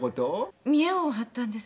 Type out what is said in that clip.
見栄を張ったんです。